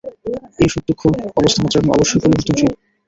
এই সুখ-দুঃখ অবস্থা মাত্র, এবং অবশ্যই পরিবর্তনশীল।